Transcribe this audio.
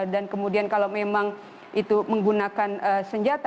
dan kemudian kalau memang itu menggunakan senjata